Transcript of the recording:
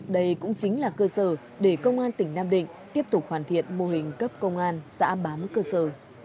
đây cũng chính là cơ sở để công an tỉnh nam định tiếp tục hoàn thiện mô hình cấp công an xã bám cơ sở